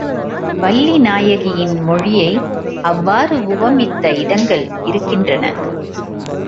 வள்ளி நாயகியின் மொழியை அவ்வாறு உவமித்த இடங்கள் இருக்கின்றன.